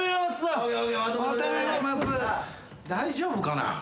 大丈夫かな？